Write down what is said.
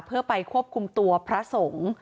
เพื่อไปควบคุมตัวพระสงฆ์